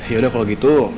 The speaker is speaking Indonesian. yaudah kalau gitu